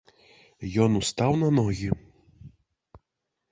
Ён устаў на ногі.